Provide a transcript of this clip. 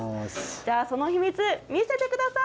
じゃあその秘密、見せてください。